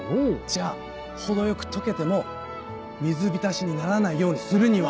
じゃあ程よく溶けても水浸しにならないようにするには。